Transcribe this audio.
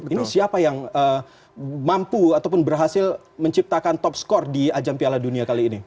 ini siapa yang mampu ataupun berhasil menciptakan top skor di ajang piala dunia kali ini